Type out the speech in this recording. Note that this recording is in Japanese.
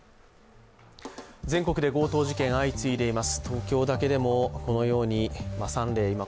全国で強盗事件、相次いでいます